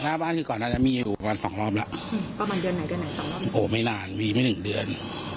หน้าบ้านคือก่อนแน้นมีอยู่วัน๒รอบแล้ว